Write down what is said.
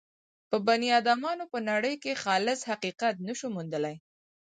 په بني ادمانو به نړۍ کې خالص حقیقت نه شو موندلای.